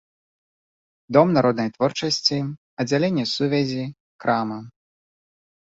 Дом народнай творчасці, аддзяленне сувязі, крама.